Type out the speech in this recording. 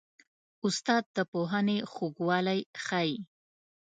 استاد د پوهنې خوږوالی ښيي.